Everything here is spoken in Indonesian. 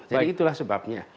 jadi itulah sebabnya